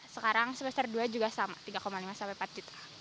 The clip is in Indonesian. sekarang semester dua juga sama tiga lima sampai empat juta